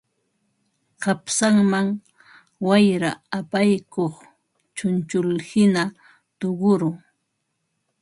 Qapsanman wayra apaykuq chunchullhina tuquru